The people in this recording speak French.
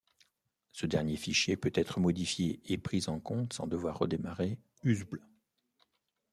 Ce dernier fichier peut être modifié et pris en compte sans devoir redémarrer Uzbl.